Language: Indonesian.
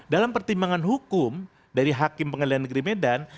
dalam pertimbangan hukum dari hakim pn medan